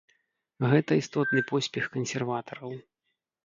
Гэта істотны поспех кансерватараў.